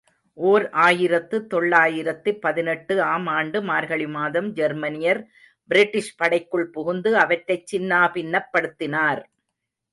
ஓர் ஆயிரத்து தொள்ளாயிரத்து பதினெட்டு ஆம் ஆண்டு மார்கழி மாதம் ஜெர்மானியர் பிரிட்டிஷ் படைக்குள் புகுந்து அவற்றைச்சின்னா பின்னப்படுத்தினார்.